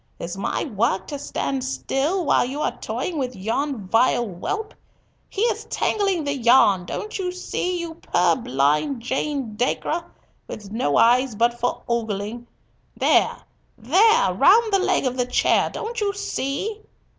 Is my work to stand still while you are toying with yon vile whelp? He is tangling the yarn, don't you see, thou purblind Jane Dacre, with no eyes but for ogling. There! there! Round the leg of the chair, don't you see!"